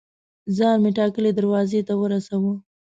ځان مې ټاکلي دروازې ته ورساوه.